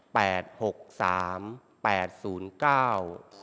หกสามแปดศูนย์เก้า